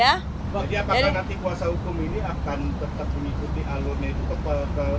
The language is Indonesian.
akan tetap mengikuti alurnya itu